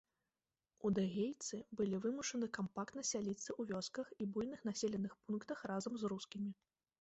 Удэгейцы былі вымушаны кампактна сяліцца ў вёсках і буйных населеных пунктах разам з рускімі.